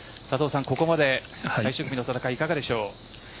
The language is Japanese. ここまで最終組の戦いいかがでしょう？